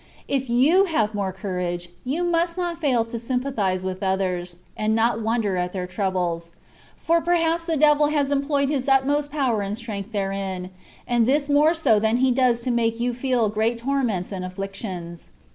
If you have more courage, you must not fail to sympathize with others, and not wonder at their troubles ; for perhaps the devil has employed his utmost power and strength therein, and this more so than he does to make you feel great torments and afflictions.